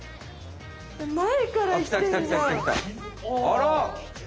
あら！